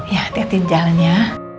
ya hati hati di jalan ya